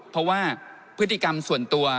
เพราะว่าพฤติกรรมส่วนตัว